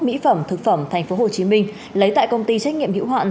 mỹ phẩm thực phẩm tp hcm lấy tại công ty trách nhiệm hữu hạn